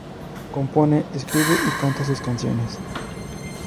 Compone, escribe y canta sus canciones.